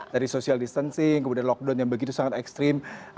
dari social distancing kemudian lockdown yang begitu sangat ekstrim